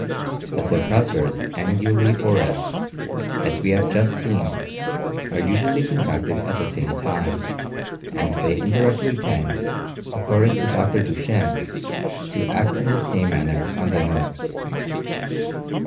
The depressores anguli oris, as we have just seen, are usually contracted at the same time, and they indirectly tend, according to Dr. Duchenne, to act in this same manner on the nose.